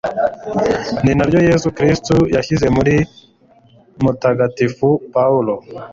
ni naryo yezu kristu yashyize muri mutagatifu paulo